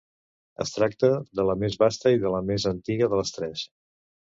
Es tracta de la més vasta i de la més antiga de les tres.